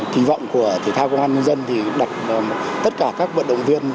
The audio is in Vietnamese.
kỳ vọng của thể thao công an nhân dân thì đặt tất cả các vận động viên